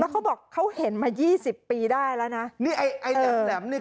เขาบอกเขาเห็นมายี่สิบปีได้แล้วนะนี่ไอ้ไอ้แหลมแหลมนี่